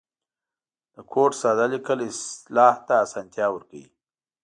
د کوډ ساده لیکل اصلاح ته آسانتیا ورکوي.